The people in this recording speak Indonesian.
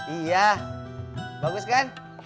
iya bagus kan